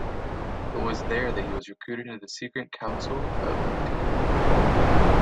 It was there that he was recruited into the secret council of the Katipunan.